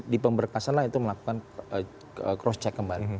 di pemberkasan lah itu melakukan cross check kembali